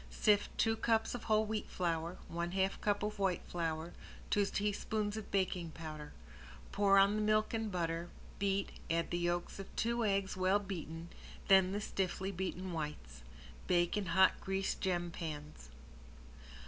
Sift two cups of whole wheat flour, one half cup of white flour, two teaspoons of baking powder. Pour on the milk and butter, beat, add the yolks of two eggs well beaten, then the stiffly beaten whites. Bake in hot greased gem pans.